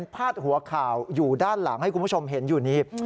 พาดหัวข่าวอยู่ด้านหลังให้คุณผู้ชมเห็นอยู่นี้